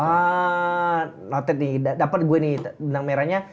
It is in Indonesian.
wah note nih dapat gue nih benang merahnya